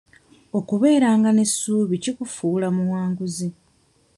Okubeeranga n'essuubi kikufuula muwanguzi.